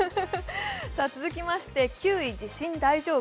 続きまして９位、地震大丈夫。